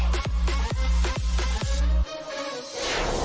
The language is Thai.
สวัสดีครับมาเจอกับแฟแล้วนะครับ